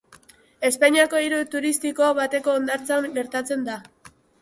Espainiako hiri turistiko bateko hondartzan gertatzen da.